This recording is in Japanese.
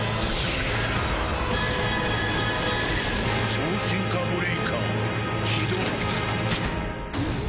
超進化ブレイカー起動。